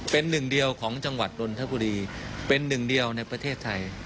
เป็นหนึ่งเดียวของจังหวัดนนทบุรีเป็นหนึ่งเดียวในประเทศไทย